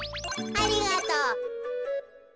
ありがとう。